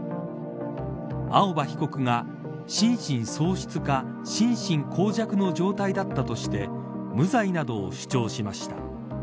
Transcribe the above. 青葉被告が心神喪失か心神耗弱の状態だったとして無罪などを主張しました。